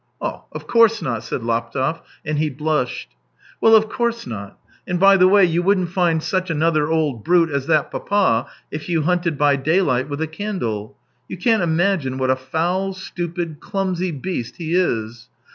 " Of course not," said Laptev, and he blushed. " Well, of course not. And by the way, you wouldn't find such another old brute as that papa if you hunted by daylight with a candle. You can't imagine what a foul, stupid, clumsy beast he is